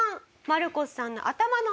マルコスさんの頭の中で。